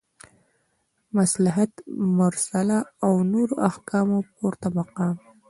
مصلحت مرسله او نورو احکامو پورته مقام